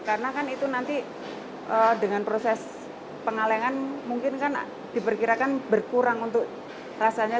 karena kan itu nanti dengan proses pengalengan mungkin kan diperkirakan berkurang untuk rasanya